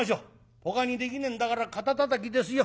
ほかにできねえんだから肩たたきですよ。